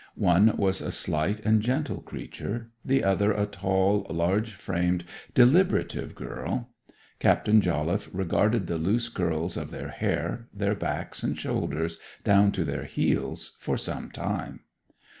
One was a slight and gentle creature, the other a tall, large framed, deliberative girl. Captain Jolliffe regarded the loose curls of their hair, their backs and shoulders, down to their heels, for some time.